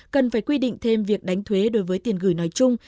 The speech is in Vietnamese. cần phải quy định thêm việc đánh thuế đối với tiền gửi nói chung